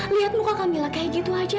lihat muka kamila kayak gitu aja